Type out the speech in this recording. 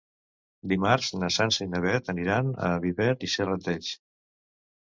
Dimarts na Sança i na Beth aniran a Viver i Serrateix.